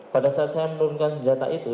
pada saat saya menurunkan senjata itu